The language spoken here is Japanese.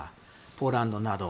ポーランドなど。